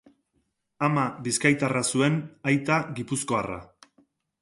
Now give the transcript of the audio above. Ama bizkaitarra zuen, aita gipuzkoarra.